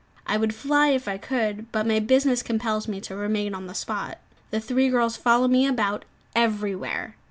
I would fly if I could, but my business compels me to remain on the spot. The three girls follow me about everywhere.